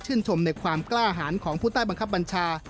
ชมในความกล้าหารของผู้ใต้บังคับบัญชา